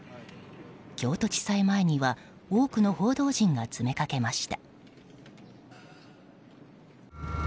京都地裁前には多くの報道陣が詰めかけました。